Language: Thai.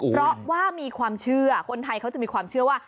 เพราะว่ามีความเชื่อคนไทยเขาจะมีความเชื่อว่า